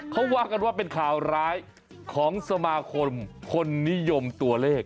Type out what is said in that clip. เขาว่ากันว่าเป็นข่าวร้ายของสมาคมคนนิยมตัวเลข